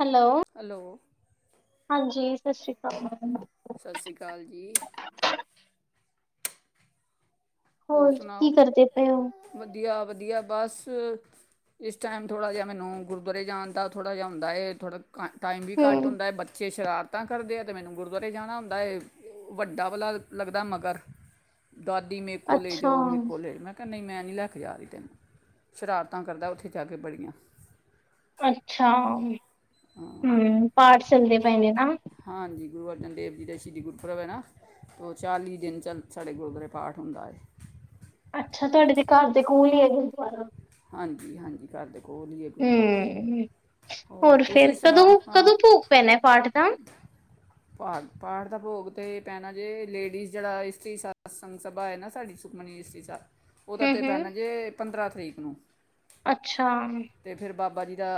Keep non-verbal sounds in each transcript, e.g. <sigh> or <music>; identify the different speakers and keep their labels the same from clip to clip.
Speaker 1: Hello.
Speaker 2: Hello.
Speaker 1: ਹਾਂਜੀ। ਸਤਿ ਸ਼੍ਰੀ ਅਕਾਲ।
Speaker 2: ਸਤਿ ਸ਼੍ਰੀ ਅਕਾਲ ਜੀ
Speaker 1: ਹੋਰ, ਕੀ ਕਰਦੇ ਪਏ ਓ?
Speaker 2: ਵਧੀਆ ਵਧੀਆ ਬਸ, ਇਸ ਟਾਈਮ ਥੋੜ੍ਹਾ ਜਿਹਾ ਮੈਨੂੰ ਗੁਰਦੁਆਰੇ ਜਾਣ ਦਾ, ਥੋੜ੍ਹਾ ਜਿਹਾ ਹੁੰਦਾ ਥੋੜਾ ਟਾਈਮ ਵੀ ਘਟ
Speaker 1: ਹੂੰ।
Speaker 2: ਹੁੰਦਾ ਬੱ ੇ ਸ਼ਰਾਰਤਾਂ ਕਰਦੇ ਆ, ਅਤੇ ਮੈਨੂੰ ਗੁਰਦੁਆਰੇ ਜਾਣਾ ਹੁੰਦਾ ਹੈ, ਵੱਡਾ ਵਾਲਾ ਲੱਗਦਾ ਮਗਰ, ਦਾਦੀ ਕੋਲੇਜ
Speaker 1: ਅੱਛਾ,
Speaker 2: ਮ ਕੋਲੇਜ ਮ ਕੈ, ਮੈਂ ਨਹੀਂ ਲੈ ਕੇ ਜਾ ਰਹੀ, ਤੈਨੂੰ ਸ਼ਰਾਰਤਾਂ ਕਰਦਾ ਉੱਥੇ ਜਾ ਕੇ, ਬੜੀਆਂ।
Speaker 1: ਅੱਛਾ। ਹਮ ਪਾਠ ਚਲਦੇ ਪਏ ਨੇ ਨਾ
Speaker 2: ਹਾਂਜੀ ਗੁਰੂ ਅਰਜਨ ਦੇਵ ਜੀ ਦਾ ਸ਼ਹੀਦੀ ਗੁਰਪੁਰਬ ਵ ਹੈ ਨਾ, ਉਹ ਚਾਲੀ ਦਿਨ 'ਚ ਸਾਡੇ ਗੁਰਦੁਆਰੇ ਪਾਠ ਹੁੰਦਾ ਹੈ।
Speaker 1: ਅੱਛਾ, ਤੁਹਾਡੇ ਦੇ ਘਰ ਦੇ ਕੋਲ ਹੀ ਹੈਗੇ ਗੁਰਦੁਆਰਾ।
Speaker 2: ਹਾਂਜੀ- ਹਾਂਜੀ, ਕਰ ਦੇ ਕੋਲ ਹੀ ਹੈਗੁਰਦੁਆਰਾ,
Speaker 1: ਹੂੰ,
Speaker 2: ਹੋਰ ਤੁਸੀਂ
Speaker 1: ਫੇਰ
Speaker 2: ਸੁਣਾ
Speaker 1: ਕਦੋਂ
Speaker 2: ਹਾਂ,
Speaker 1: ਕਦੋਂ ਭੋਗ ਪੈਣਾ ਪਾਠ ਦਾ?
Speaker 2: ਪਾਠ ਦਾ ਭੋਗ ਅਤੇ ਭੈਣਾ ਜੇ ਲੇਡੀਜ਼ ਜਿਹੜਾ ਇਸਟਰੀ ਸਾ ਸੰਗ ਸਭਾ ਹੈ ਨਾ ਸਾਡੀ ਸੁਖਮਨੀ ਇਸਟਰੀ ਸਾਬ ਉਹਦਾ
Speaker 1: ਹੂੰ
Speaker 2: ਤੇ ਭੈਣਾ
Speaker 1: ਹੂੰ,
Speaker 2: ਜੇ। ਪੰਦਰਾਂ ਤਰੀਕ ਨੂੰ।
Speaker 1: ਅੱਛਾ। ਹ
Speaker 2: ਤੇ ਫਿਰ ਬਾਬਾ ਜੀ ਦਾ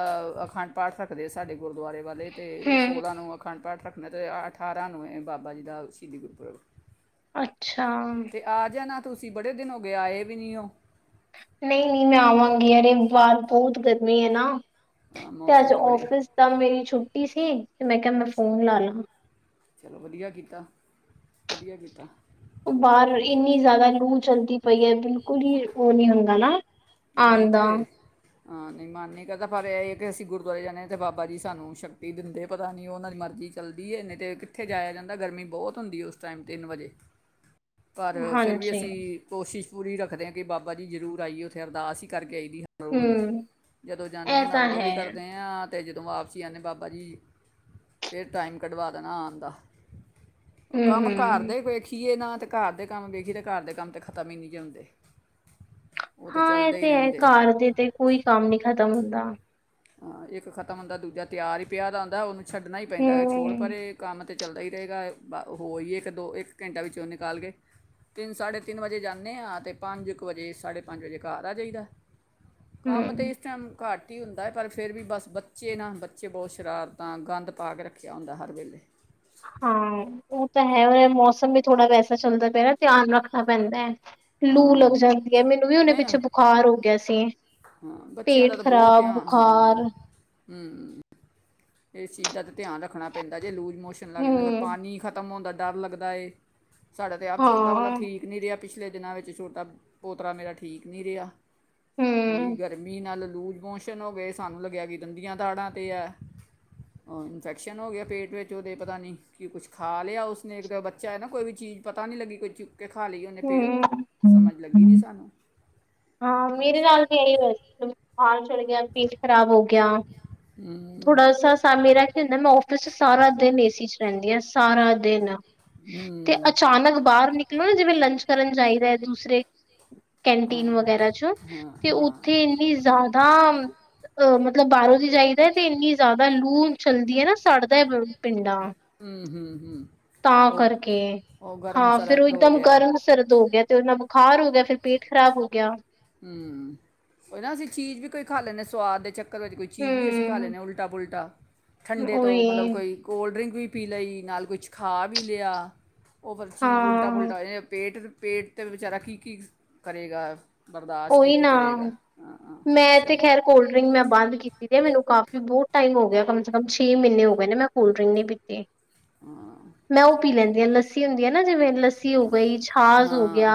Speaker 2: ਅਖੰਡ ਪਾਠ ਰੱਖਦੇ ਹੋ ਸਾਡੇ ਗੁਰਦੁਆਰੇ ਵਾਲੇ, ਤੇ
Speaker 1: ਹੂੰ,
Speaker 2: ਸੋਲਾਂ ਨੂੰ ਅਖੰਡ ਪਾਠ ਰੱਖਣਾ ਤੇ ਅਠਾਰਾਂ ਨੂੰ ਏ, ਬਾਬਾ ਜੀ ਦਾ ਸ਼ਹੀਦੀ ਗੁਰਪੁਰਬ।
Speaker 1: ਅੱਛਾ।
Speaker 2: ਤੇ ਆ ਜਾਣਾ ਤੁਸੀਂ ਬੜੇ ਦਿਨ ਹੋ ਗਏ, ਆਏ ਵੀ ਨੀ ਹੋ।
Speaker 1: ਨਹੀਂ- ਨਹੀਂ, ਮੈਂ ਆਵਾਂਗੀ ਅਤੇ ਬਾਹਰ ਬਹੁਤ ਗਰਮੀ ਹੈ ਨਾ।
Speaker 2: ਹਾਂ,
Speaker 1: ਤੇ
Speaker 2: ਮੌਸਮ
Speaker 1: ਅੱਜ
Speaker 2: ਬੜੀ
Speaker 1: ਫਿਸ ਤਾਂ ਮੇਰੀ ਛੁੱਟੀ ਟੀ ਸੀ। ਤੇ ਮੈਂ ਕਿਹਾ ਮੈਂ ਫੋਨ ਲਾ, ਲਾ।
Speaker 2: ਚਲੋ ਵਧੀਆ ਕੀਤਾ, ਵਧੀਆ ਕੀਤਾ।
Speaker 1: ਬਾਹਰ ਇੰਨੀ ਜ਼ਿਆਦਾ ਲੂ ਚਲਦੀ ਪਈ ਹੈ, ਬਿਲਕੁਲ ਹੀ ਉਹ ਨੀ ਹੁੰਦਾ ਨਾ।
Speaker 2: ਉਹੀ
Speaker 1: ਆਉਣ ਦਾ
Speaker 2: ਤੇ। ਹਾਂ, ਨਹੀਂ ਮਨ ਨਹੀਂ ਕਰਦਾ ਪਰ ਇਹ ਹੈ ਕਿ ਅਸੀਂ ਗੁਰਦੁਆਰੇ ਜਾਂਦੇ ਹਾਂ ਅਤੇ ਬਾਬਾ ਜੀ ਸਾਨੂੰ ਸ਼ਕਤੀ ਦਿੰਦੇ, ਪਤਾ ਨਹੀਂ ਉਹਨਾਂ ਦੀ ਮਰਜ਼ੀ ਚੱਲਦੀ ਹੈ ਨਹੀਂ ਤਾਂ ਕਿੱਥੇ ਜਾਇਆ ਜਾਂਦਾ ਗਰਮੀ ਬਹੁਤ ਹੁੰਦੀ ਹੈ ਉਸ ਟਾਈਮ, ਤਿੰਨ ਵਜੇ। ਪਰ ਫਿਰ ਵੀ
Speaker 1: ਹਾਂਜੀ
Speaker 2: ਅਸੀਂ ਕੋਸ਼ਿਸ਼। ਪੁਰੀ ਹੀ ਰੱਖਦੇਾਂ ਕਿ ਬਾਬਾ ਜੀ ਜ਼ਰੂਰ ਆਈਏ ਬਾਸੀ ਕਰ ਕੇ ਹਰ ਰੋਜ਼
Speaker 1: ਹਮ
Speaker 2: ਜਦੋਂ ਜਾਂਦੇ
Speaker 1: ਇਹ
Speaker 2: ਹਾਂ ਤਾਂ ਉਦੋਂ
Speaker 1: ਹੈ
Speaker 2: ਵੀ ਕਰਦੇ ਹਾਂ ਅਤੇ ਜਦੋਂ ਵਾਪਸੀ ਆਉਂਦੇ ਬਾਬਾ ਜੀ ਫਿਰ ਟਾਈਮ ਕੱਢਵਾ ਦੇਣਾ ਆਉਣ ਦਾ ਉਹ
Speaker 1: ਹਮ
Speaker 2: ਕੰਮ ਘਰ
Speaker 1: ਹਮ
Speaker 2: ਦੇ ਵੈਖੀਏ ਨਾ ਤੇ ਘਰ ਦੇ ਕੰਮ ਵੈਖੀ ਤੇ ਘਰ ਦੇ ਕੰਮ ਤੇ ਖਤਮ ਹੀ ਨਹੀਂ ਜੀ ਹੁੰਦੇ
Speaker 1: ਹਾਂ ਇਹ ਤੇ ਹੈ ਘਰ ਤੇ ਤੇ ਕੋਈ ਕੰਮ ਨੀ ਖਤਮ ਹੁੰਦਾ
Speaker 2: ਹਾਂ ਇੱਕ ਖਤਮ ਹੁੰਦਾ ਦੂਜਾ ਤਿਆਰ ਹੀ ਪਿਆ ਰਹਿੰਦਾ ਹੈ ਉਹਨੂੰ ਛੱਡਣਾ ਹੀ ਪੈਂਦਾ ਹੈ ਛੋੜ
Speaker 1: ਹਮ
Speaker 2: ਭਰੇ ਕੰਮ ਤਾਂ ਚੱਲਦਾ ਹੀ ਰਹੇਗਾ ਬ ਹੋ ਹੀ ਹੈ ਇੱਕ ਦੋ ਇੱਕ ਘੰਟਾ ਵਿੱਚੋਂ ਨਿਕਾਲ ਗਏ ਤਿੰਨ ਸਾਢੇ ਤਿੰਨ ਵਜੇ ਜਾਂਦੇ ਹਾਂ ਅਤੇ ਪੰਜ ਕੁ ਵਜੇ ਸਾਢੇ ਪੰਜ ਵਜੇ ਘਰ ਆ ਜਾਈਹੀਦਾ ਕੰਮ ਤੇ
Speaker 1: ਹਮ
Speaker 2: ਇਸ ਟਾਈਮ ਘੱਟ ਤਿੰਨ ਹੈ ਪਰ ਫਿਰ ਵੀ ਬਸ ਬੱਚੇ ਨਾ ਬੱਚੇ ਬਹੁਤ ਸ਼ਰਾਰਤਾਂ ਗੰਦ ਪਾ ਕੇ ਰੱਖਿਆ ਹੁੰਦਾ ਹਰ ਵੇਲੇ
Speaker 1: ਹਾਂ ਉਹ ਤਾਂ ਹੈ ਉਹਨ ਮੌਸਮ ਵੀ ਥੋੜ੍ਹਾ ਵੈਸਾ ਚੱਲਦਾ ਪਿਆ ਨਾ ਧਿਆਨ ਰੱਖਣਾ ਪੈਂਦਾ ਹੈ ਲੂ
Speaker 2: ਹਾਂ
Speaker 1: ਲੱਗ ਜਾਂਦੀ ਹੈ ਮੈਨੂੰ ਵੀ ਉਹੇ
Speaker 2: ਨਹੀਂ ਨਾ
Speaker 1: ਪਿੱਛੇ ਬੁਖਾਰ ਹੋ ਗਿਆ ਸੀ
Speaker 2: ਹਾਂ ਬੱਚਿਆਂ ਦਾ
Speaker 1: ਪੇਟ
Speaker 2: ਤਾਂ ਬਹੁਤ
Speaker 1: ਖ਼ਰਾਬ
Speaker 2: ਆ ਹਾਂ
Speaker 1: ਬੁਖਾਰ
Speaker 2: ਇਸ ਚੀਜ਼ ਦਾ ਤੇ ਧਿਆਨ ਰੱਖਣਾ ਪੈਂਦਾ ਜੇ ਲੂ ਮੋਸ਼ਨ ਲੱਗ ਜਾਂਦਾ
Speaker 1: ਹਮ
Speaker 2: ਪਾਣੀ ਖਤਮ ਹੁੰਦਾ ਡਰ ਲੱਗਦਾ ਏ ਸਾਡਾ ਤੇ ਆਪ ਛੋਟਾ ਵਾਲਾ
Speaker 1: ਹਾਂ
Speaker 2: ਠੀਕ ਨੀ ਰਿਹਾ ਪਿਛਲੇ ਦਿਨਾਂ ਵਿੱਚ ਛੋਟਾ ਪੋਤਰਾ ਮੇਰਾ ਠੀਕ ਨਹੀਂ ਰਿਹਾ ਉਹੀ
Speaker 1: ਹਮ
Speaker 2: ਗਰਮੀ ਨਾਲ ਲੂਜਮੋਸ਼ਨ ਹੋ ਗਏ ਸਾਨੂੰ ਲੱਗਿਆ ਕਿ ਦਦੀਆਂ ਤਾੜਾਂ ਤੇ ਹੈ ਉਹ ਇਨਫੈਕਸ਼ਨ ਹੋ ਗਿਆ ਪੇਟ ਵਿੱਚ ਉਹਦੇ ਪਤਾ ਨਹੀਂ ਕਿ ਕੁਛ ਖਾ ਲਿਆ ਉਸਨੇ ਇਕ ਤਾਂ ਬੱਚਾ ਹੈ ਨਾ ਕੋਈ ਵੀ ਚੀਜ਼ ਪਤਾ ਨਹੀਂ ਲੱਗੀ ਕੁਛ ਕੇ ਖਾ ਲਈ ਉਹਨੇ ਫਿਰ
Speaker 1: ਹਮ ਹਮ
Speaker 2: ਸਮਝ ਲੱਗੀ
Speaker 1: ਹਮ
Speaker 2: ਨਈ ਸਾਨੂੰ
Speaker 1: ਹਾਂ ਮੇਰੇ
Speaker 2: ਬਸ
Speaker 1: ਨਾਲ ਵੀ ਆ ਹੋਇਆ ਸੀ ਪੇਟ ਖਰਾਬ ਹੋ ਗਿਆ
Speaker 2: ਹੂੰ
Speaker 1: ਥੋੜਾ ਸਾ ਸ ਮੇਰਾ ਕੀ ਹੁੰਦਾ ਮੈਂ ਫਿਸ ਚ ਸਾਰਾ ਦਿਨ ਏਸੀ ਚ ਰਹਿੰਦੀ ਹ ਸਾਰਾ ਦਿਨ ਤੇ
Speaker 2: ਹੂੰ
Speaker 1: ਅਚਾਨਕ ਬਾਹਰ ਨਿਕਲੋ ਨਾ ਜਿਵੇਂ ਲੰਚ ਕਰਨ ਚਾਹੀਦਾ ਹੈ ਦੂਸਰੇ ਕਹ
Speaker 2: ਹਾਂ
Speaker 1: ਵਗੈਰਾ ਚ
Speaker 2: ਹਾਂ
Speaker 1: ਤੇ
Speaker 2: ਹਾਂ
Speaker 1: ਉੱਥੇ ਇੰਨੀ ਜ਼ਿਆਦਾ ਅ ਮਤਲਬ ਬਾਹਰੋਂ ਦੀ ਜਾਈਦਾ ਤੇ ਇੰਨੀ ਜ਼ਿਆਦਾ ਲੂ ਚੱਲਦੀ ਨਾ ਸੜਦਾ ਬ ਪਿੰਡਾਂ
Speaker 2: ਹੂੰ ਹੂੰ ਹੂੰ
Speaker 1: ਤਾਂ
Speaker 2: ਉਹ
Speaker 1: ਕਰਕੇ
Speaker 2: ਉਹ ਗਰਮ
Speaker 1: ਹਾਂ ਫੇਿਰ ਉਹ
Speaker 2: ਸਰਦ ਹੋ
Speaker 1: ਇੱਕਦਮ
Speaker 2: ਗਿਆ
Speaker 1: ਗਰਮ ਸਰਦ ਹੋ ਗਿਆ ਤੇ ਉਹਨਾਂ ਹਾਰ ਹੋ ਗਿਆ ਫਿਰ ਪੀਠ ਖ਼ਰਾਬ ਹੋ ਗਿਆ
Speaker 2: ਹਮ ਉਹ ਨਾ ਅਸੀਂ ਚੀਜ਼ ਵੀ ਕੋਈ ਖਾ ਲੈਂਦੇ ਸਵਾਦ ਦੇ ਚੱਕਰ ਘਰ ਵਿੱਚ ਕੋਈ ਚੀਜ਼ ਵੀ ਅਸੀਂ ਖਾ
Speaker 1: ਹਮ
Speaker 2: ਲੈਂਦੇ ਹਾਂ ਉਲਟਾ ਪੁਲਟਾ ਠੰਡੇ ਤੋਂ
Speaker 1: ਉਹੀ
Speaker 2: ਮਤਲਬ ਕੋਈ ਕੋਲਡ ਡਰਿੰਕ ਵੀ ਪੀ ਲਈ ਨਾਲ ਕੁਛ ਖਾ ਵੀ ਲਿਆ ਉਹ ਫਿਰ ਚੀਜ਼ ਉਲਟਾ
Speaker 1: ਹਾਂ
Speaker 2: ਪੁੁਲਟਾ ਇਹਦਾ ਪੇਟ ਪੇਟ 'ਤੇ ਵਿਚਾਰਾ ਕੀ ਕੀ ਕਰੇਗਾ ਬਰਦਾਸ਼ਤ ਕੀ
Speaker 1: ਉਹੀ
Speaker 2: ਕੀ
Speaker 1: ਨਾ
Speaker 2: ਕਰੇਗਾ ਹਾਂ ਹਾਂ
Speaker 1: ਮੈਂ ਤੇ
Speaker 2: ਸਹੀ
Speaker 1: ਖੈਰ ਕੋਲਡ ਡਰਿੰਕ ਮੈਂ ਬੰਦ ਕੀਤੀ ਤੇ ਮੈਨੂੰ ਕਾਫੀ ਬਹੁਤ ਟਾਈਮ ਹੋ ਗਿਆ ਕਮ ਸੇ ਕਮ ਛੇ ਮਹੀਨੇ ਹੋ ਮੈਂ ਕੋਲਡ ਡਰਿੰਕ ਨਹੀਂ ਪੀਤੀ
Speaker 2: ਹਾਂ
Speaker 1: ਮੈਂ ਉਹ ਪੀ ਲੈਂਦੀ
Speaker 2: ਠੀਕ
Speaker 1: ਹ ਲੱਸੀ ਹੁੰਦੀ ਹੈ ਨਾ। ਜਿਵੇਂ ਲੱਸੀ ਹੋ ਗਈ ਛਾਚ ਹੋ
Speaker 2: ਹਾਂ
Speaker 1: ਗਿਆ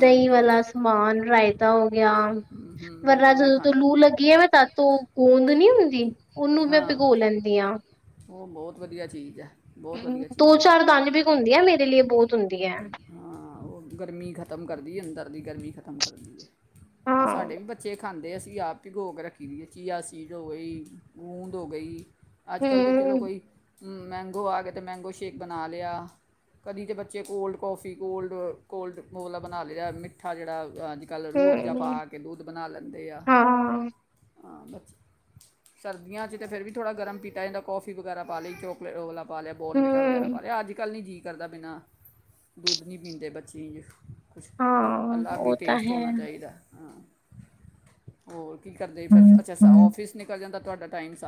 Speaker 1: ਦਹੀਂ ਵਾਲਾ ਸਮਾਨ। ਫਾਇਦਾ ਹੋ। ਗਿਆ
Speaker 2: ਹੂੰ ਹੂੰ
Speaker 1: ਵਰਨਾ
Speaker 2: ਬਿਲਕੁਲ ਉਹੀ
Speaker 1: ਜਦੋਂ ਤੋਂ
Speaker 2: ਖਾਣਾ
Speaker 1: ਲੂ ਲੱਗੀ ਆ ਮੈਂ ਤਦ ਤੋਂ ਗੂੰਦ ਨੀ ਹੁੰਦੀ ਉਹਨੂੰ ਮੈਂ
Speaker 2: ਹਾਂ
Speaker 1: ਭਿਗੋ ਲੈਂਦੀ ਹਾਂ।
Speaker 2: ਉਹ ਬਹੁਤ ਵਧੀਆ ਚੀਜ਼ ਹੈ ਬਹੁਤ ਵਧੀਆ
Speaker 1: ਦੋ
Speaker 2: ਚੀਜ਼ ਹੈ
Speaker 1: ਚਾਰ ਦਾਣੇ ਭਿਗੁੰਦੀਆ ਨੇ ਆ ਮੇਰੀ ਲਈ ਬਹੁਤ ਹੁੰਦਾ।
Speaker 2: ਹਾਂ ਉਹ ਗਰਮੀ ਖਤਮ ਕਰਦੀ ਅੰਦਰ ਦੀ ਗਰਮੀ ਖਤਮ ਖਤਮ ਕਰ ਦਗੇ। ਹਾਂ ਸਾਡੇ ਵੀ ਬੱਚੇ ਖਾਂਦੇ ਆ। ਅਸੀ ਆਪ ਭਿਗੋ ਕੇ ਰੱਖੀ ਦੀ ਹੈ ਚਿਆ ਸੀਡ ਹੋ ਗਈ ਗੂੰਦ ਹੋ ਗਈ ਅੱਜ ਕੱਲ੍ਹ ਤਾਂ ਚਲੋ
Speaker 1: ਹਮ
Speaker 2: ਕੋਈ ਮੈਂਗੋ ਆ ਗਏ ਤਾਂ ਮੈਂਗੋ ਸ਼ੇਕ ਬਣਾ ਲਿਆ ਕਦੀ ਤਾਂ ਬੱਚੇ ਕੋਲਡ ਕੌਫੀ ਕੋਲਡ ਕੋਲਡ ਮੋਲਾ ਬਣਾ ਲਿਆ ਮਿੱਠਾ ਜਿੜਾ ਅਜ ਕੱਲ੍ਹ ਰੂਹ ਅਬਜ਼ਾ
Speaker 1: ਹਮ
Speaker 2: ਪਾ ਕੇ ਦੁੱਧ ਬਣਾ ਲੈਂਦੇ ਆ।
Speaker 1: ਹਾਂ
Speaker 2: ਹਾਂ ਬ ਸਰਦੀਆਂ 'ਚ ਤਾਂ ਫਿਰ ਵੀ ਥੋੜ੍ਹਾ ਗਰਮ ਪੀਤਾ ਜਾਂਦਾ ਕੌਫੀ ਵਗੈਰਾ ਪਾ ਲਈ ਚੋਕਲੇਟ ਵਾਲਾ ਪਾ ਲਿਆ ਬੋਰਨ ਵੀਟਾ
Speaker 1: ਹਮ
Speaker 2: ਵਗੈਰਾ ਲਿਆ ਅਜ ਕੱਲ ਨਹੀਂ ਕਰਦੇ ਬਿਨਾਂ ਦੁੱਧ ਨਹੀਂ ਪੀਂਦੇ ਬੱਚਿਆਂ ਕੁਛ
Speaker 1: ਹਾਂ
Speaker 2: ਅਲੱਗ ਹੀ
Speaker 1: ਉਹ ਤਾਂ
Speaker 2: ਟੇਸਟ
Speaker 1: ਹੈ
Speaker 2: ਹੋਣਾ ਚਾਹੀਦਾ ਹਾਂ। ਹੋਰ ਕੀ ਕਰਦੇ ਜ ਫਿਰ
Speaker 1: ਹਮ
Speaker 2: ਅੱਛਾ ਅੱਛਾ
Speaker 1: ਹਮ
Speaker 2: ਔਫਿਸ ਨਿਕਲ ਜਾਂਦਾ। ਤੁਹਾਡਾ ਟਾਈਮਸ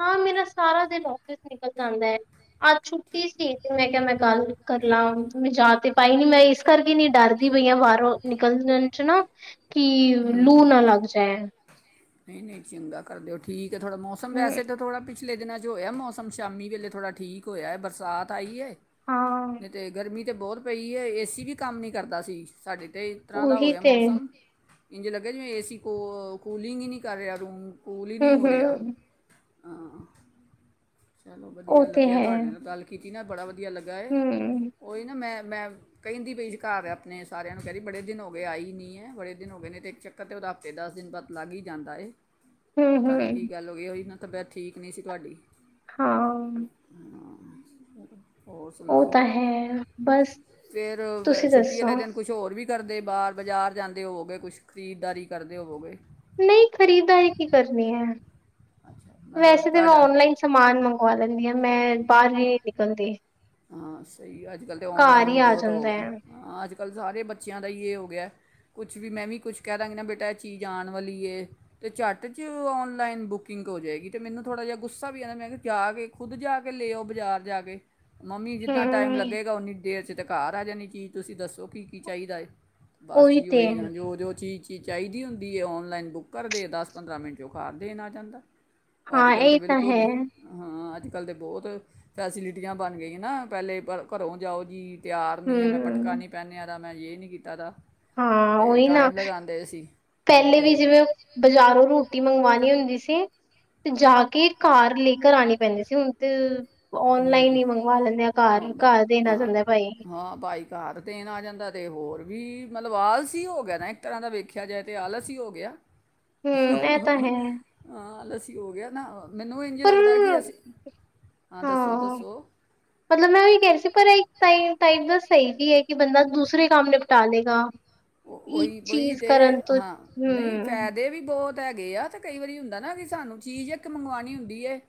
Speaker 1: ਹਾਂ ਮੇਰਾ ਸਾਰਾ ਦਿਨ ਆਫਿਸ ਨਿਕਲ ਜਾਂਦਾ ਹੈ। ਅੱਜ ਛੁੱਟੀ ਸੀ ਤੇ ਮੈਂ ਕਿਹਾ ਮੈਂ ਗੱਲ ਕਰ ਲਾਂ ਮੈਂ ਜਾ ਤੇ ਪਾਈ ਨੀ ਮੈਂ ਇਸ ਕਰਕੇ ਨੀ ਡਰਦੀ ਪਈ ਹ ਬਾਹਰੋਂ ਨਿਕਲਣ ਚ ਨਾ ਕੀ ਲੂ ਨਾ ਲੱਗ ਜਾਏ।
Speaker 2: ਨਹੀਂ ਨਹੀਂ ਚੰਗਾ ਕਰਦੇ ਹੋ ਠੀਕ। ਥੋੜਾ ਮੌਸਮ
Speaker 1: ਹੂੰ
Speaker 2: ਵੈੇਸੇ ਤੇ ਥੋੜਾ ਪਿਛਲੇ ਦਿਨਾਂ 'ਚ ਹੋਇਆ ਮੌਸਮ ਸ਼ਾਮੀ ਵੇਲੇ ਥੋੜ੍ਹਾ ਠੀਕ ਹੋਇਆ। ਬਰਸਾਤ ਆਈ ਏ-
Speaker 1: ਹਾਂ
Speaker 2: ਨਈ ਤੇ ਗਰਮੀ ਤੇ ਬੋਤ ਪਈ ਏ। ਏਸੀ ਵੀ ਕੰਮ ਨੀ ਕਰਦਾ ਸੀ ਸਾਡੇ। ਤੇ ਇ ਤਰ੍ਹਾਂ ਦਾ ਹੋ
Speaker 1: ਉਹੀ
Speaker 2: ਗਿਆ
Speaker 1: ਤੇ
Speaker 2: ਮੌਸਮ- ਇੰਜ ਲੱਗੇ ਜਿਵੇਂ ਏ ਸੀ ਕੋ ਕੂਲਿੰਗ ਈ ਨਹੀਂ ਕਰ ਰਿਆ। ਰੂਮ- ਕੂਲ ਈ ਨੀ ਹੋ ਰਿਆ।
Speaker 1: ਹੂੰ-ਹੂੰ
Speaker 2: ਹਾਂ <inaudible> ਚਲੋ
Speaker 1: ਉਹ
Speaker 2: ਵਧੀਆ
Speaker 1: ਤੇ
Speaker 2: ਲੱਗਿਆ
Speaker 1: ਹੈ
Speaker 2: ਤੁਆਡੇ ਨਾਲ ਗੱਲ ਕੀਤ। ਈ ਨਾ ਬੜਾ ਵਧ- <inaudible> ਧੀਆ ਲੱਗਾ ਏ।
Speaker 1: ਹੂੰ
Speaker 2: ਉਹੀ ਨਾ ਮੈਂ- ਮੈਂ ਕਹਿੰਦੀ ਪਈ ਸੀ ਘਰ ਆਪਨੇ ਸਾਰਿਆਂ ਨੂੰ ਕਹਿ ਰਈ ਬੜੇ ਦਿਨ ਹੋ ਗਏ ਆਈ ਨੀ ਏ ਬੜੇ ਦਿਨ ਹੋ ਗਏ ਨੇ ਤੇ ਇੱਕ ਚੱਕਰ ਤਾਂ ਉਦਾ ਹਫ਼ਤੇ ਦਸ ਦਿਨ ਬਾਦ ਲੱਗ ਈ ਜਾਂਦਾ ਏ। ਪਤਾ ਨੀ
Speaker 1: ਹੂੰ-ਹੂੰ
Speaker 2: ਕੀ ਗੱਲ ਹੋਈ ਉਈ ਨਾ- ਤਬੀਅਤ ਠੀਕ ਨਹੀਂ ਸੀ ਤੁਆਡੀ।
Speaker 1: ਹਾਂ
Speaker 2: <inaudible> ਹੋਰ
Speaker 1: ਉਹ
Speaker 2: ਸੁਨਾਓ।
Speaker 1: ਤਾਂ ਹੈ ਬਸ
Speaker 2: ਫੇਰ
Speaker 1: ਤੁਸੀਂ
Speaker 2: ਛੁੱਟੀ ਅਲੇ
Speaker 1: ਦੱਸੋ
Speaker 2: ਦਿਨ ਕੁਸ਼ ਹੋਰ ਵੀ- ਕਰਦੇ ਬਾਰ ਬਜ਼ਾਰ ਜਾਂਦੇ ਹੋਵੋਗੇ। ਕੁਸ਼ ਖਰੀਦਦਾਰੀ ਕਰਦੇ ਹੋਵੋਗੇ।
Speaker 1: ਨਈ ਖਰੀਦਾਰੀ ਕੀ ਕਰਨੀ ਐ।
Speaker 2: ਅੱਛਾ ਮਤਲਬ
Speaker 1: ਵੈਸੇ ਤੇ ਮੈਂ
Speaker 2: ਤੁਹਾਡਾ
Speaker 1: ਔਨਲਾਈਨ ਸਮਾਨ ਮੰਗਵਾ ਲੈਂਨੀ ਆਂ। ਮੈਂ ਬਾਹਰ <inaudible> ਨਿਕਲ ਦੀ।
Speaker 2: ਹਾਂ ਸਈ ਅੱਜ ਕੱਲ੍ਹ ਤਾਂ ਔਨਲਾਈਨ ਵੀ
Speaker 1: ਹੀ ਆ
Speaker 2: ਬੋਤ ਹੋ
Speaker 1: ਜਾਂਦਾ ਹੈ।
Speaker 2: ਗਿਆ। ਅੱਜ ਕੱਲ੍ਹ ਸਾਰੇ ਬੱਚਿਆਂ ਦਾ ਈ ਏ ਹੋ ਗਿਆ। ਕੁਛ ਵੀ ਮੈਂ ਵੀ ਕੁਛ ਕਹਿ ਦਾਂਗੀ ਨਾ ਬੇਟਾ ਇਹ ਚੀਜ਼ ਆਨ ਵਲੀ ਏ ਤੇ ਝੱਟ ' ਚ ਔਨਲਾਈਨ ਬੁਕਿੰਗ ਹੋ ਜਏਗੀ। ਤੇ ਮੈਨੂੰ ਥੋੜ੍ਹਾ ਜਿਹਾ ਗੁੱਸਾ ਵੀ ਆਦ ਮੈਂ ਕਿਹਾ ਜਾ ਕੇ ਖੁੱਦ ਜਾ ਕੇ ਲੈ ਆਓ ਬਜ਼ਾਰ ਜਾ ਕੇ। ਮੰਮੀ ਜਿਤਨਾ ਟਾਈਮ
Speaker 1: ਹੂੰ,
Speaker 2: ਲੱਗੇਗਾ ਓਨੀ ਦੇਰ 'ਚ ਤੇ ਘਾਰ- ਘਰ ਆ ਜਾਣੀ ਚੀਜ਼ ਤੁਸੀਂ ਦੱਸੋ ਕੀ ਕੀ ਚਾਈਦਾ ਏ? ਬਸ
Speaker 1: ਉਹੀ
Speaker 2: ਜੀ
Speaker 1: ਤੇ
Speaker 2: ਓਹੀ ਨਾ ਜੋ ਜੋ ਚੀਜ਼- ਚੀਜ਼ ਚਾਹੀਦੀ ਹੁੰਦੀ ਏ ਔਨਲਾਈਨ ਬੁੱਕ ਕਰਦੇ। ਦਸ ਪੰਦਰਾਂ ਮਿੰਟ 'ਚ ਓ ਘਰ ਦੇਣ ਆ ਜਾਂਦਾ। ਅੱਜ
Speaker 1: ਹਾਂ
Speaker 2: ਕੱਲ੍ਹ ਤੇ
Speaker 1: ਇਹ ਤਾਂ
Speaker 2: ਬਿਲਕੁਲ
Speaker 1: ਹੈ
Speaker 2: ਹਾਂ ਅੱਜ- ਅੱਜ ਕੱਲ ਦੇ ਬੋਤ ਫੈਸਿਲਿਟ ਟੀਆਂ ਬਨ ਗੀਆਂ ਨਾ ਪਹਿਲੇ ਘਰੋਂ ਜਾਓ ਜੀ। ਤਿਆਰ ਨੀ ਏ। ਮੈਂ ਪਟਕਾ
Speaker 1: ਹੂੰ।
Speaker 2: ਨਹੀਂ ਪਹਿਨਿਆ ਦਾ। ਮੈਂ ਜੇ ਨੀ ਕੀਤਾ ਦਾ।
Speaker 1: ਹਾਂ
Speaker 2: ਅਤੇ
Speaker 1: ਓਹੀ -ਨਾ
Speaker 2: ਟਾਈਮ ਲਗਾਉਂਦੇ ਸੀ ਹੁਣ
Speaker 1: ਪਹਿਲੇ ਵੀ
Speaker 2: ਤੇ
Speaker 1: ਜਿਵੇਂ ਬਜ਼ਾਰੋਂ ਰੋਟੀ ਮੰਗਵਾਣੀ ਹੁੰਦੀ ਸੀ। ਤੇ ਜਾ ਕੇ ਘਾਰ ਲੈਕਰ ਆਣੀ ਪੈਂਦੀ ਸੀ। ਹੁਣ ਤੇ- ਔਨਲਾਈਨ
Speaker 2: ਹਮ-
Speaker 1: ਹੀ ਮੰਗਵਾ ਲੈਂਦੇ ਆ ਘਰ
Speaker 2: ਹ
Speaker 1: ਘਰ ਦੇਣਾ
Speaker 2: -ਹਾਂ
Speaker 1: ਜਾਂਦਾ ਭਾਈ
Speaker 2: -ਹਾਂ ਭਾਈ ਘਰ ਦੇਣ ਆ ਜਾਂਦਾ ਤੇ ਹੋਰ ਵੀ ਮਤਲਬ ਆਲਸ ਈ ਹੋ ਗਿਆ ਨਾ ਇੱਕ ਤਰ੍ਹਾਂ ਦਾ। ਵੇਖਿਆ ਜਾਏ ਤੇ ਆਲਸ ਈ ਹੋ ਗਿਆ।
Speaker 1: ਹੂੰ ਇਹ ਤਾਂ
Speaker 2: ਹੂਹੂ
Speaker 1: ਹੈ
Speaker 2: ਹਾਂ ਆਲਸ। ਹੋ ਗਿਆ ਨਾ। ਮੈਨੂੰ ਇੰਝ
Speaker 1: ਪਰ
Speaker 2: ਲੱਗਦਾ ਕਿ ਅਸੀਂ- ਦੱਸੋ
Speaker 1: ਹਾਂ
Speaker 2: ਦੱਸੋ
Speaker 1: -ਮਤਲਬ ਮੈਂ ਉਹੀ ਕਹ ਰਹੀ ਸੀ ਪਰ ਇਕ- ਇੱਕ ਸਹੀ ਵੀ ਹੈ ਕਿ ਬੰਦਾ ਦੂਸਰੇ ਕੰਮ ਨਿਪਟਾ ਲੇਗਾ।
Speaker 2: ਓਹੀ- ਓਈ ਤੇ ਹਾਂ ਨਹੀਂ
Speaker 1: ਹੂੰ
Speaker 2: ਫਾਇਦੇ ਵੀ ਬਹੁਤ ਤਾਂ ਹੈਗੇ ਆ ਤੇ ਕਈ ਵਾਰੀ ਹੁੰਦਾ ਨਾ ਕਿ ਸਾਨੂੰ ਚੀਜ਼ ਇੱਕ ਮੰਗਵਾਉਣੀ ਹੁੰਦੀ ਹੈ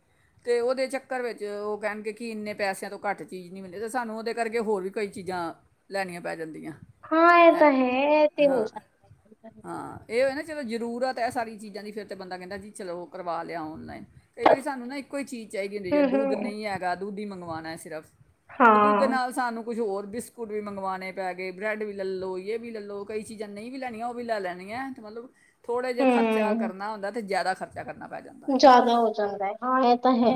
Speaker 2: ਤੇ ਉਹਦੇ ਚੱਕਰ ਵਿੱਚ ਉਹ ਕਹਿਣਗੇ ਕਿ ਇੰਨੇ ਪੈਸਿਆਂ ਤੋਂ ਘੱਟ ਚੀਜ਼ ਨਹੀਂ ਮਿਲੇ ਤਾਂ ਸਾਨੂੰ ਉਹਦੇ ਕਰਕੇ ਹੋਰ ਵੀ ਕਈ ਚੀਜ਼ਾਂ ਲੈਣੀਆਂ ਪੈ ਜਾਂਦੀਆਂ
Speaker 1: ਹਾਂ ਐ ਤਾਂ ਹੈ। ਏ ਤਾਂ ਹੋ
Speaker 2: ਹਾਂ
Speaker 1: ਸਕਦਾ
Speaker 2: ਹਾਂ ਇਹ ਹੋਏ ਨਾ ਚਲੋ ਜ਼ਰੂਰਤ ਐ ਸਾਰੀ ਚੀਜ਼ਾਂ ਦੀ। ਫਿਰ ਤਾਂ ਬੰਦਾ ਕਹਿੰਦਾ ਜੀ, ਚਲੋ ਉਹ ਕਰਵਾ ਲਿਆ ਔਨਲਾਈਨ। ਕਈ ਵਾਰੀ ਸਾਨੂੰ ਨਾ ਇੱਕੋ ਈ ਚੀਜ਼ ਚਾਹੀਦੀ ਹੁੰਦੀ ਜਿਵੇਂ ਦੁੱਧ
Speaker 1: ਹੂੰ-ਹੂੰ
Speaker 2: ਨਹੀਂ ਹੈਗਾ। ਦੂਧ ਈ ਮੰਗਵਾਣਾ ਸਿਰਫ਼। ਦੁੱਧ ਦੇ
Speaker 1: ਹਾਂ।
Speaker 2: ਨਾਲ ਸਾਨੂੰ- ਕੁੱਝ ਹੋਰ ਬਿਸਕੁਟ ਵੀ ਮੰਗਵਾਣੇ ਪੈ ਗਏ। ਬ੍ਰੈੱਡ ਵੀ ਲੈ ਲਓ। ਕਈ ਚੀਜ਼ਾਂ ਨਈ ਵੀ ਲੈਣੀਆਂ ਉਹ ਵੀ ਲੈ ਲੈਣੀਆਂ ਤੇ ਮਤਲਬ ਥੋੜ੍ਹਾ ਜਿਹਾ ਖਰਚਾ ਕਰਨਾ ਹੁੰਦਾ ਤੇ ਜਾਦਾ ਖਰਚਾ ਕਰਨਾ ਪੈ ਜਾਂਦਾ ਹੈ
Speaker 1: ਜ਼ਿਆਦਾ ਹੋ ਜਾਂਦਾ ਐ ਹਾਂ ਏ ਤਾਂ ਹੈ।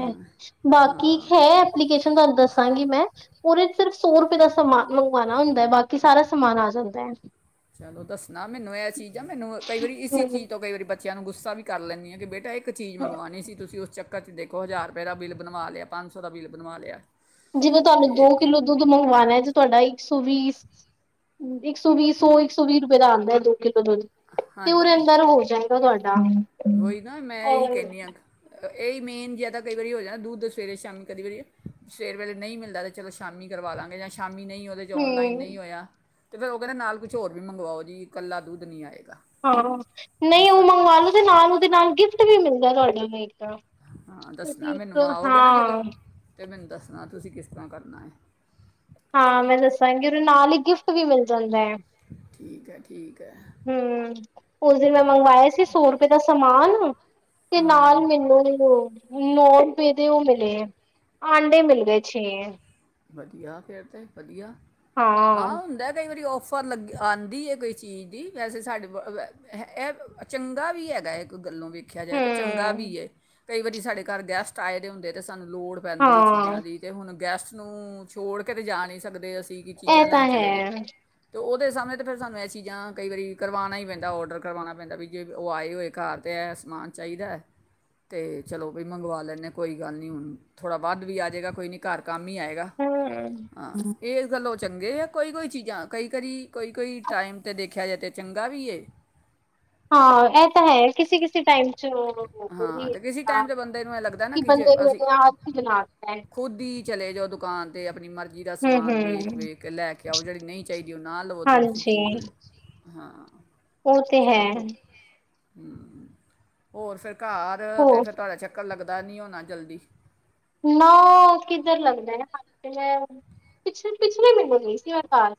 Speaker 1: ਬਾਕੀ ਹੈ
Speaker 2: ਹਾਂ
Speaker 1: ਐਪਲੀਕੇਂਸ਼ਨ ਤਾਨੂੰ ਦੱਸਾਂਗੀ ਮੈਂ। ੳਦੇ ਚ ਸਿਰਫ ਸੋ ਰੁਪਏ ਦਾ ਸਮਾਨ ਮੰਗਵਾਣਾ ਹੁੰਦਾ। ਹੈ ਬਾਕੀ ਸਾਰਾ ਸਮਾਨ ਆ ਜਾਂਦਾ ਐ।
Speaker 2: ਚਲੋ ਦੱਸਣਾ ਮੈਨੂੰ ਇਹ ਚੀਜ਼ ਦਾ। ਮੈਨੂੰ ਕਈ ਵਾਰੀ ਇਸੀ
Speaker 1: ਹਮ,
Speaker 2: ਚੀਜ਼ ਤੋਂ ਕਈ ਵਾਰੀ ਬੱਚਿਆਂ ਨੂੰ ਗੁੱਸਾ- ਵੀ ਕਰ ਲੈਂਦੀ ਆਂ ਕਿ ਬੇਟਾ ਇੱਕ- ਇੱਕ ਚੀਜ਼
Speaker 1: ਹਾਂ।
Speaker 2: ਮੰਗਵਾਣੀ ਸੀ ਤੁਸੀਂ ਉਸ ਚੱਕਰ- ਚਕਰ ਚ ਦੇਖੋ ਹਜ਼ਾਰ ਰੁਪਏ ਦਾ ਬਿੱਲ ਬਣਵਾ ਲਿਆ ਪੰਜ ਸੌ ਦਾ ਬਿੱਲ ਬਣਵਾ ਲਿਆ।
Speaker 1: ਜਿਵੇਂ ਤੁਹਾਨੂੰ
Speaker 2: ਇੱਕ
Speaker 1: ਦੋ ਕਿੱਲੋ ਦੁੱਧ ਮੰਗਵਾਉਣਾ ਹੈ ਤੇ ਤੁਹਾਡਾ ਇੱਕ ਸੌ ਵੀ ਇੱਕ ਸੌ ਵੀਹ ਸੌ ਇੱਕ ਸੌ ਵੀਹ ਰੁਪਏ ਦਾ ਆਂਦਾ ਏ ਦੋ। ਦੁੱਧ ਤੇ ਉਰੇ
Speaker 2: ਹਾਂਜੀ
Speaker 1: ਅੰਦਰ ਹੋ ਜਾਏਗਾ ਤੁਆਡਾ
Speaker 2: ਵਹੀ ਨਾ ਮੈਂ ਇਹੀ ਕੇਨੀ ਆ। ਇਹੀ ਮੇਨ ਜਿਆਦਾ ਕਈ ਵਾਰੀ ਹੋ ਜਾਣਾ ਦੁੱਧ ਸਵੇਰੇ- ਸ਼ਾਮ ਕਈ ਵਾਰੀ ਸਵੇਰ ਵੇਲੇ ਨਹੀਂ ਮਿਲਦਾ। ਤਾਂ ਚਲੋ ਸ਼ਾਮੀ ਕਰਵਾ ਲਾਂਗੇ। ਜਾਂ ਸ਼ਾਮੀ ਮੰਮੀ ਨਹੀਂ ਉਹਦੇ ਚ
Speaker 1: ਹੂੰ
Speaker 2: ਔਨਲਾਈਨ ਨਹੀਂ ਹੋਇਆ। ਅਤੇ ਫੇਰ ਉਹ ਕਹਿੰਦੇ ਨਾਲ ਕੁਛ ਹੋਰ ਵੀ ਮੰਗਵਾਓ ਜੀ, ਕੱਲਾ ਦੁੱਧ ਨਹੀਂ ਆਏਗਾ।
Speaker 1: ਹਾਂ, ਨਹੀਂ
Speaker 2: ਇਸ
Speaker 1: ਉਹ
Speaker 2: ਤਰ੍ਹਾਂ
Speaker 1: ਮੰਗਵਾ
Speaker 2: ਕਰ
Speaker 1: ਲੋ ਤੇ ਨਾਲ ਉਹਦੇ ਨਾਲ ਗਿਫਟ ਵੀ ਮਿਲਦਾ ਤੁਹਾਡੇ ਇੱਕ
Speaker 2: ਹਾਂ ਦੱਸਣਾ
Speaker 1: ਤੁਸੀਂ
Speaker 2: ਮੈਨੂੰ
Speaker 1: ਇੱਕ
Speaker 2: ਆਓਗੇ ਨਾ
Speaker 1: ਹਾਂ
Speaker 2: ਜਦੋਂ ਮੈਨੂੰ ਦੱਸਣਾ ਤੁਸੀਂ ਕਿਸ ਤਰ੍ਹਾਂ ਕਰਨਾ ਐ।
Speaker 1: ਹਾਂ ਮੈਂ ਦੱਸਾਂਗੀ, ਉਹਦੇ ਨਾਲ ਹੀ ਗਿਫਟ ਵੀ ਮਿਲ ਜਾਂਦਾ ਐ।
Speaker 2: ਠੀਕ ਹੈ ਠੀਕ ਹੈ
Speaker 1: ਹੂੰ ਉਸ ਦਿਨ ਮੈਂ
Speaker 2: ਓ
Speaker 1: ਮੰਗਵਾਇਆ ਸੀ ਸੌ ਰੁਪਏ ਦਾ ਸਮਾਨ ਤੇ ਨਾਲ
Speaker 2: ਹੂੰ
Speaker 1: ਮੈਨੂੰ ਵੀ ਨੌ ਰੁਪਏ ਦੇ ਉਹ ਮਿਲੇ ਐ, ਆਂਡੇ ਮਿਲ ਗਏ ਛੇ ਐ।
Speaker 2: ਵਧੀਆ, ਫਿਰ ਤਾਂ ਵਧੀਆ।
Speaker 1: ਹਾਂ
Speaker 2: ਆਹ ਹੁੰਦਾ ਕਈ ਵਾਰੀ ਉਹ ਔਫਰ ਲੱਗ ਆਂਦੀ ਹੈ ਕੋਈ ਚੀਜ਼ ਦੀ ਵੈਸੇ ਸਾਡੇ ਇਹ ਚੰਗਾ ਵੀ ਹੈਗਾ ਹੈ। ਗੱਲੋਂ ਵੇਖਿਆ ਜਾਏ ਤਾਂ ਚੰਗਾ
Speaker 1: ਹਮ
Speaker 2: ਵੀ ਏ। ਕਈ ਵਾਰੀ ਸਾਡੇ ਘਰ ਗੈਸਟ ਆਏ ਦੇ ਹੁੰਦੇ ਤੇ ਅਸੀਂ ਸਾਨੂੰ ਲੋੜ ਪੈਂਦੀ ਹੈ
Speaker 1: ਹਾਂ
Speaker 2: ਚੀਜ਼ਾਂ ਦੀ ਤੇ ਹੁਣ ਪਿਆਸ ਨੂੰ ਛੋੜ ਕੇ ਤੇ ਜਾ ਨਹੀਂ ਸਕਦੇ ਅਸੀਂ ਕੀ-ਕੀ
Speaker 1: ਇਹ
Speaker 2: ਚੀਜ਼ਾਂ
Speaker 1: ਤਾਂ
Speaker 2: ਲੈਣ ਚਲੇ ਜੇ
Speaker 1: ਹੈ
Speaker 2: ਅਤੇ ਉਹਦੇ ਸਾਹਮਣੇ ਤਾਂ ਫਿਰ ਸਾਨੂੰ ਇਹ ਚੀਜ਼ਾਂ ਕਈ ਵਾਰੀ ਕਰਵਾਣਾ ਹੀ ਪੈਂਦਾ ਔਡਰ ਕਰਵਾਣਾ ਪੈਂਦਾ, ਵੀ ਜੇ ਉਹ ਆਏ ਹੋਏ ਘਰ ਤਾਂ ਇਹ ਸਮਾਨ ਚਾਹੀਦਾ ਅਤੇ ਚਲੋ ਵੀ ਮੰਗਵਾ ਲੈਂਦੇ, ਕੋਈ ਗੱਲ ਨਹੀਂ ਹੁਣ ਥੋੜ੍ਹਾ ਵੱਧ ਵੀ ਆ ਜਾਵੇਗਾ ਕੋਈ ਨਹੀਂ ਘਰ ਕੰਮ ਨੀ ਆਏਗਾ
Speaker 1: ਹਮ
Speaker 2: ਹਾਂ। ਇਹ ਗੱਲੋਂ ਚੰਗੇ ਆ ਕੋਈ- ਕੋਈ ਚੀਜ਼ਾਂ ਕਈ ਕਾਰੀ ਕੋਈ-ਕੋਈ ਟਾਈਮ ਤੇ ਦੇਖਿਆ ਜਾਏ ਤਾਂ ਚੰਗਾ ਵੀ ਇਹ
Speaker 1: ਹਾਂ ਇਹ ਤਾਂ ਹੈ, ਕਿਸੇ- ਕਿਸੇ ਟਾਈਮ ਚ
Speaker 2: ਹਾਂ ਤੇ ਕਿਸੇ ਟਾਈਮ ਦੇ ਬੰਦੇ ਨੂੰ ਇਹ ਲੱਗਦਾ ਨਾ ਕਿ ਜੇ
Speaker 1: ਬੰਦੇ ਨੂੰ
Speaker 2: ਅਸੀਂ
Speaker 1: ਇਹਨੇ ਆਦਤ ਬਣਾ ਦਿੱਤਾ ਹੈ
Speaker 2: ਖੁੱਦ ਹੀ ਚਲੇ ਜਾਓ ਦੁਕਾਨ ਤੇ ਆਪਣੀ ਮਰਜੀ ਦਾ
Speaker 1: ਹਮ
Speaker 2: ਸਮਾਨ ਵੇਖ-
Speaker 1: ਹਮ
Speaker 2: ਵੇਖ ਕੇ ਲੈ ਕੇ ਕਿਆ ਓਹ ਜੇੜੀ ਨਹੀਂ ਚਾਹੀਦੀ। ਜੋ ਨਾ ਲਵੋ ਦੂਸਰੀ
Speaker 1: ਹਾਂਜੀ
Speaker 2: ਚੀਜ਼ ਲਓ ਹਾਂ,
Speaker 1: ਉਹ ਤੇ ਹੈ।
Speaker 2: ਚਲੋ ਹੋ <unintelligible> ਹੋਰ ਫਿਰ ਘਰ
Speaker 1: ਹੋਰ
Speaker 2: ਤੇ ਫਿਰ ਤੁਹਾਡਾ ਚੱਕਰ ਲੱਗ ਲਗਦਾ ਨਹੀਂ ਹੋਣਾ ਜਲਦੀ
Speaker 1: ਨਾ ਉਹ ਕਿੱਧਰ ਲੱਗਦਾ ਹੈਂ, ਪਿਛਲੇ ਮਹੀਨੇ ਗਈ ਸੀ ਮੈਂ ਘਰ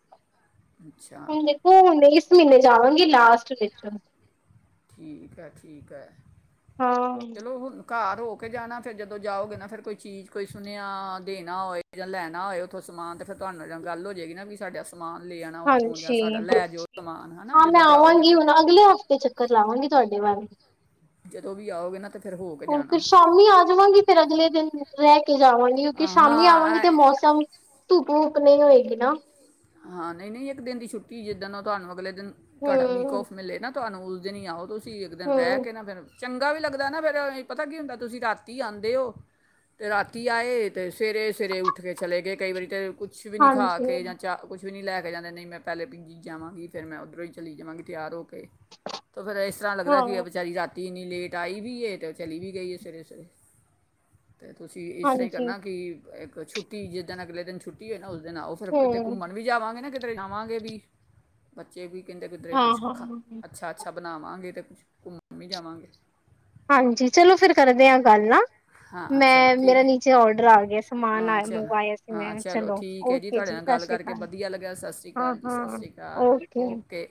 Speaker 2: ਅੱਛਾ
Speaker 1: ਹੁਣ ਦੇਖੋ ਹੁਣ ਇਸ ਮਹੀਨੇ ਜਾਵਾਂਗੀ, ਲਾਸਟ ਵਿੱਚ
Speaker 2: ਠੀਕ ਹੈ ਠੀਕ ਹੈ,
Speaker 1: ਹਾਂ
Speaker 2: ਚਲੋ ਹੁਣ ਘਰ ਹੋ ਕੇ ਜਾਣਾ ਫਿਰ ਜਦੋਂ ਜਾਓਗੇ ਨਾ ਫਿਰ ਕੋਈ ਚੀਜ਼ ਕੋਈ ਸੁਨੇਆ ਦੇਣਾ ਹੋਏ ਜਾਂ ਲੈਣਾ ਹੋਏ ਉੱਥੋਂ ਸਮਾਨ ਤਾਂ ਫਿਰ ਤੁਹਾਨੂੰ ਜਾਂ ਗੱਲ ਹੋ ਜਾਵੇਗੀ ਨਾ ਵੀ ਸਾਡੇ ਸਮਾਨ ਲੈ ਆਣਾ ਉੱਥੋਂ ਜਾਂ
Speaker 1: ਹਾਂਜੀ
Speaker 2: ਸਾਡਾ ਲੈ ਜਾਓ ਸਮਾਨ ਹਨਾ ਜਦੋਂ ਜਾਓਗੇ ਤੇ
Speaker 1: ਕਰ ਲਾਵਾਂਗੀ ਤੁਹਾਡੇ ਵਲ।
Speaker 2: ਜਦੋਂ ਵੀ ਆਓਗੇ ਨਾ ਤੇ ਫਿਰ ਹੋ ਕੇ
Speaker 1: ਫੇਰ
Speaker 2: ਜਾਣਾ
Speaker 1: ਸ਼ਾਮੀ ਆ ਜਾਵਾਂਗੀ ਫਿਰ ਅਗਲੇ ਦਿਨ ਰਹਿ ਕੇ ਜਾਵਾਂਗੇ। ਸ਼ਾਮੀ
Speaker 2: ਹਾਂ
Speaker 1: ਆਵਾਂਗੀ ਤੇ
Speaker 2: ਐ-
Speaker 1: ਮੌਸਮ ਭੂਕ ਨਹੀਂ ਹੋਏਗੀ ਨਾ
Speaker 2: ਹਾਂ, ਨਹੀਂ -ਨਹੀਂ ਇੱਕ ਦਿਨ ਦੀ ਛੁੱਟੀ ਜਿੱਦਣ ਨਾਲ ਤੁਹਾਨੂੰ ਅਗਲੇ ਨ ਤੁਹਾਡਾ ਵੀਕ
Speaker 1: ਹੂੰ
Speaker 2: ਔਫ ਮਿਲੇ ਨਾ। ਤੁਹਾਨੂੰ ਉਸ ਦਿਨ ਹੀ ਆਓ ਤੁਸੀਂ ਅਸੀਂ ਇੱਕ ਦਿਨ ਰਹਿ
Speaker 1: ਹੂੰ
Speaker 2: ਕੇ ਨਾ ਫਿਰ ਚੰਗਾ ਵੀ ਲੱਗਦਾ ਨਾ ਫਿਰ ਪਤਾ ਕੀ ਹੁੰਦਾ। ਤੁਸੀਂ ਰਾਤੀ ਆਉਂਦੇ ਹੋ ਅਤੇ ਰਾਤੀ ਆਏ ਅਤੇ ਸਵੇਰੇ-ਸਵੇਰੇ ਉੱਠ ਕੇ ਚਲੇ ਗਏ। ਕਈ ਵਾਰੀ ਤੇ ਕੁਛ ਵੀ ਨਹੀਂ ਖਾ
Speaker 1: ਹਾਂਜੀ
Speaker 2: ਕੇ ਜਾਂ ਕੁਛ ਵੀ ਨਹੀਂ ਲੈ ਕੇ ਜਾਂਦੇ। ਨਹੀਂ ਮੈਂ ਪਹਿਲੇ ਪੀ ਜੀ ਜਾਵਾਂਗੀ ਫੇਰ ਮੈਂ ਉੱਧਰੋਂ ਹੀ ਚਲੀ ਜਾਵਾਂਗੀ ਤਿਆਰ ਹੋ ਕੇ ਤੇ ਫੇਰ ਇਸ ਤਰ੍ਹਾਂ ਲੱਗਦਾ
Speaker 1: ਹਾਂ
Speaker 2: ਕਿ ਵਿਚਾਰੀ ਰਾਤ ਤੀ ਇੰਨੀ ਲੇਟ ਆਈ ਵੀ ਹੈ ਅਤੇ ਚਲੀ ਵੀ ਗਈ ਹੈ ਸਵੇਰੇ-ਸਵੇਰੇ ਅਤੇ ਤੁਸੀਂ ਇਸ ਤਰ੍ਹਾਂ ਹੀ
Speaker 1: ਹਾਂਜੀ
Speaker 2: ਕਰਨਾ ਕਿ ਛੱਟੀ ਜੀਦਨ ਅਗਲੇ ਦਿਨ ਛੁੱਟੀ ਹੈ ਨਾ ਉਸ ਦਿਨ ਆਓ। ਕਿਤੇ
Speaker 1: ਹੂੰ
Speaker 2: ਘੁੰਮਣ ਵੀ ਜਾਵਾਂਗੇ ਨਾ ਕਿਤੇ ਜਾਵਾਂਗੇ ਵੀ, ਬੱਚੇ ਵੀ ਕਿੰਂਦੇ ਕੁਦਰੇ
Speaker 1: ਹਾਂ
Speaker 2: ਕੁਛ
Speaker 1: ਹਾਂ
Speaker 2: ਅੱਛਾ -ਅੱਛਾ ਬਣਾਵਾਂਗੇ ਤੇ ਕੁਛ ਘੁੰਮਣ ਵੀ ਜਾਵਾਂਗੇ
Speaker 1: ਹਾਂਜੀ ਚਲੋ ਫਿਰ ਕਰਦੇ ਆ ਗੱਲ ਨਾ,
Speaker 2: ਹਾਂ ਚਲੋ
Speaker 1: ਮੈਂ ਮੇਰਾ
Speaker 2: ਠੀਕ
Speaker 1: ਨੀਚੇ ਔਡਰ ਆ ਗਿਆ। ਸਮਾਨ
Speaker 2: ਹਾਂ ਚਲੋ
Speaker 1: ਮੰਗਵਾਇਆ ਸੀ।
Speaker 2: ਹਾਂ
Speaker 1: ਮੈਂ ਚਲੋ,
Speaker 2: ਠੀਕ ਹੈ
Speaker 1: ਓਕੇ
Speaker 2: ਤੁਹਾਡੇ
Speaker 1: ਜੀ।
Speaker 2: ਨਾਲ ਗੱਲ
Speaker 1: ਸ਼੍ਰੀ
Speaker 2: ਕਰਕੇ
Speaker 1: ਅਕਾਲ
Speaker 2: ਵਧੀਆ ਲੱਗਿਆ। ਸਤਿ ਸ਼੍ਰੀ
Speaker 1: ਹਾਂ
Speaker 2: ਅਕਾਲ ਜੀ, ਸਤਿ
Speaker 1: ਹਾਂ
Speaker 2: ਸ਼੍ਰੀ ਅਕਾਲ ਓਕੇ